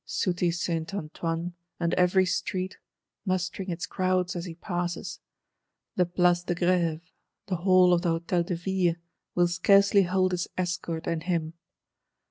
Sooty Saint Antoine, and every street, mustering its crowds as he passes,—the Place de Grève, the Hall of the Hôtel de Ville will scarcely hold his escort and him.